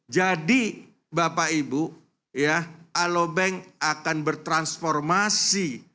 jadi bapak ibu ya alo bank akan bertransformasi